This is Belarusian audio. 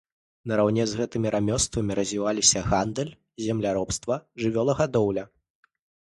Нараўне з гэтымі рамёствамі развіваліся гандаль, земляробства, жывёлагадоўля.